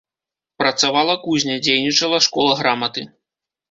Працавала кузня, дзейнічала школа граматы.